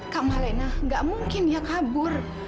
kak malena gak mungkin dia kabur